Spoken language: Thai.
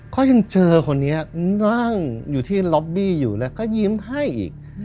ก็ยังเจอคนนี้นั่งอยู่ที่ล็อบบี้อยู่แล้วก็ยิ้มให้อีก